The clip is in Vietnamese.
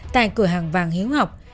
tại cửa hàng vàng hiếu ngọc